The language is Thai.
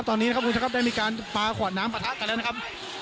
ตอนนี้นะครับคุณผู้ชมครับได้มีการปลาขวดน้ำปะทะกันแล้วนะครับ